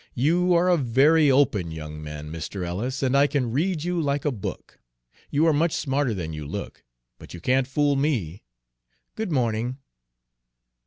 "You are a very open young man, Mr. Ellis, and I can read you like a book. You are much smarter than you look, but you can't fool me. Good morning."